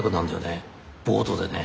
ボートでね。